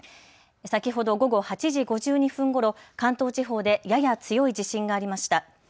先ほど午後８時５２分ごろ、関東地方でやや強い地震がありました。